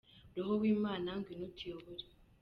Roho w'imana ngwino utuyobore.